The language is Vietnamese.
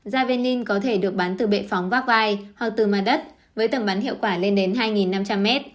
javelin có thể được bắn từ bệ phóng vác vai hoặc từ màn đất với tầm bắn hiệu quả lên đến hai năm trăm linh m